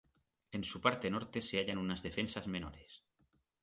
En su parte norte se hayan unas defensas menores.